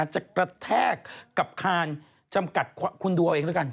กระแทกกับคานจำกัดคุณดูเอาเองแล้วกัน